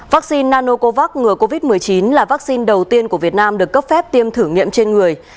vaccine nanocovax ngừa covid một mươi chín là vaccine đầu tiên của việt nam được cấp phép tiêm thử nghiệm trên người